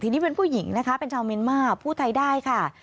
ทีนี้เป็นผู้หญิงเป็นเช่าเมริกาพูดไทยได้ค่ะ